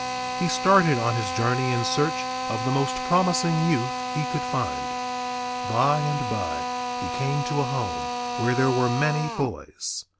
He started on his journey in search of the most promising youth he could find. By and by he came to a home where there were many boys.